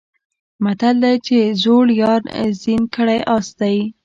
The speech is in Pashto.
متل دی چې زوړ یار زین کړی آس دی.